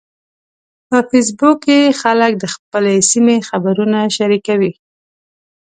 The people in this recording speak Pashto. په فېسبوک کې خلک د خپلې سیمې خبرونه شریکوي